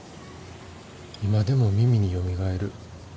今でも耳によみがえる。